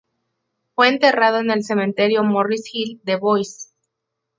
Fue enterrado en el Cementerio Morris Hill de Boise.